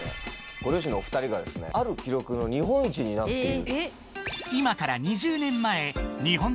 ご両親のお２人がある記録の日本一になっている。